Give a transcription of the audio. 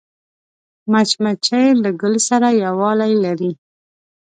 مچمچۍ له ګل سره یووالی لري